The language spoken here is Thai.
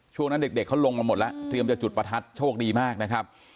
ช่วงนั้นเด็กเขาลงมาหมดแล้วเตรียมจะจุดประทัดโชคดีมากนะครับ